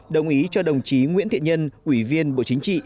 đồng ý cho đồng chí nguyễn thiện nhân ủy viên bộ chính trị